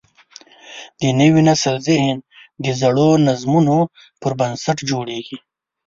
د نوي نسل ذهن د زړو نظمونو پر بنسټ جوړېږي.